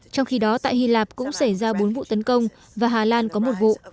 trong khi đó tại hy lạp cũng xảy ra bốn vụ tấn công và hà lan có một vụ